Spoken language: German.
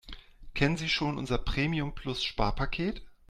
Kennen Sie schon unser Premium-Plus-Sparpaket?